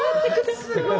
すごい。